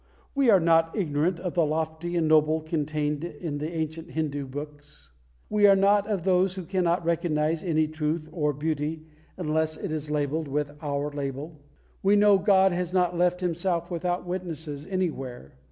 We are not ignorant of the lofty and the noble contained in the ancient Hindu books; we are not of those who cannot recognise any truth or any beauty unless it is labelled with our label. We know God has not left Himself without witnesses anywhere.